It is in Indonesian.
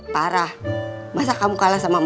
parah masa kamu kalah sama